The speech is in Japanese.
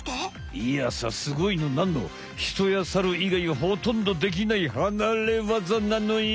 いやさすごいのなんのヒトやサルいがいはほとんどできないはなれわざなのよ！